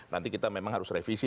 nanti kita memang harus revisi